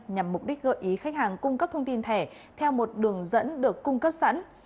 nhằm mục đích gợi ý khách hàng cung cấp thông tin thẻ theo một đường dẫn được cung cấp sẵn